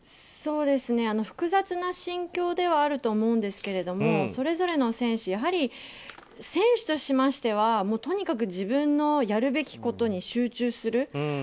複雑な心境ではあるとは思うんですけどそれぞれの選手、やはり選手としましてはとにかく自分のやるべきことに集中する。